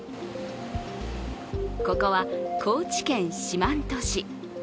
ここは、高知県四万十市。